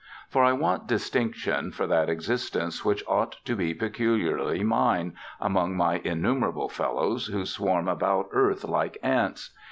For I want distinction for that existence which ought to be peculiarly mine, among my innumerable fellows who swarm about earth like ants.